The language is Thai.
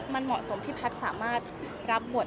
มันเหมาะสมที่แพทย์สามารถรับบท